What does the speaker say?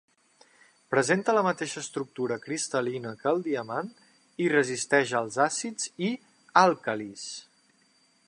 Presenta la mateixa estructura cristal·lina que el diamant i resisteix als àcids i àlcalis.